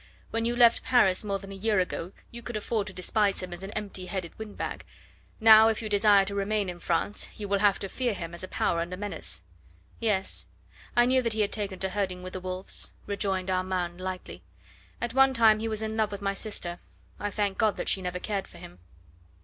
"When you left Paris more than a year ago you could afford to despise him as an empty headed windbag; now, if you desire to remain in France, you will have to fear him as a power and a menace." "Yes, I knew that he had taken to herding with the wolves," rejoined Armand lightly. "At one time he was in love with my sister. I thank God that she never cared for him."